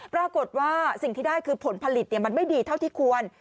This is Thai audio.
ปรากฏว่าสิ่งที่ได้คือผลผลิตมันไม่ดีเท่าที่ควร